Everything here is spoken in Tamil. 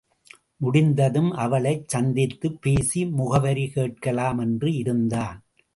முடிந்ததும் அவளைச் சந்தித்துப் பேசி முகவரி கேட்கலாம் என்று இருந்தான்.